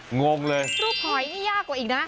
ห้ะงงเลยรูปหอยยากกว่าอีกนะ